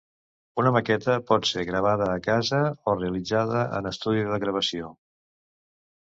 Una maqueta pot ser gravada a casa o realitzada en estudi de gravació.